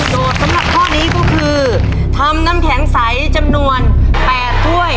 สำหรับข้อนี้ก็คือทำน้ำแข็งใสจำนวน๘ถ้วย